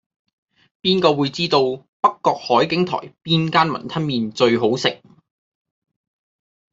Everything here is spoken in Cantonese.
邊個會知道北角海景台邊間雲吞麵最好食